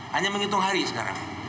hanya menghitung hari sekarang